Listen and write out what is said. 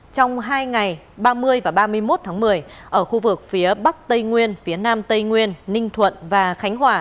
trong hai ngày ba mươi và ba mươi một tháng một mươi ở khu vực phía bắc tây nguyên phía nam tây nguyên ninh thuận và khánh hòa